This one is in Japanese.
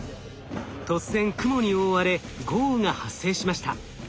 突然雲に覆われ豪雨が発生しました。